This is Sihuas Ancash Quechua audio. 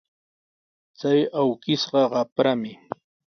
Chay awkishqa qaprami.